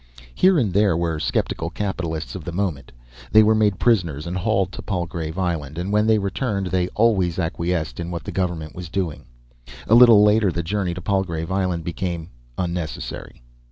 Here and there were sceptical capitalists of moment. They were made prisoners and haled to Palgrave Island, and when they returned they always acquiesced in what the government was doing. A little later the journey to Palgrave Island became unnecessary.